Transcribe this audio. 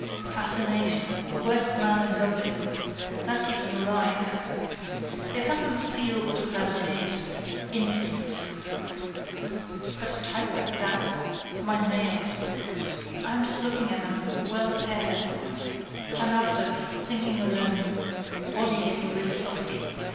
Fascination. Worst man in Dublin. That keeps him alive. They sometimes feel what a person is. Instinct. But a type like that. My nails. I am just looking at them: well pared. And after: thinking alone. Body getting a bit softy.